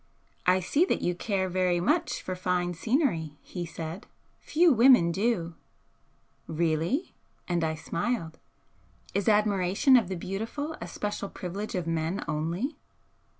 "I see that you care very much for fine scenery," he said "Few women do." "Really?" And I smiled. "Is admiration of the beautiful a special privilege of men only?"